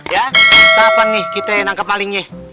ya setelah ini kita nangkap malingnya